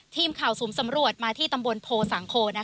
ทีมข่าวสูงสำรวจมาที่ตำบลโพสังโค